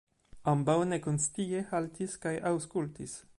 Ambaŭ nekonscie haltis kaj aŭskultis.